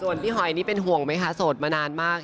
ส่วนพี่หอยนี่เป็นห่วงไหมคะโสดมานานมาก